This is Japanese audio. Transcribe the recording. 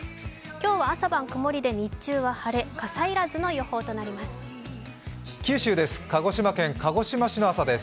今日朝晩、曇りで日中は晴れ、傘要らずの予報となります。